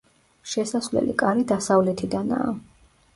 შესასვლელი კარი დასავლეთიდანაა.